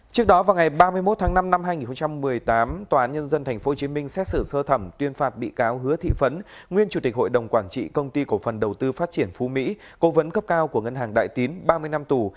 trước đó vào ngày ba mươi một tháng năm năm hai nghìn một mươi tám tòa án nhân dân tp hcm xét xử sơ thẩm tuyên phạt bị cáo hứa thị phấn nguyên chủ tịch hội đồng quản trị công ty cổ phần đầu tư phát triển phú mỹ cố vấn cấp cao của ngân hàng đại tín ba mươi năm tù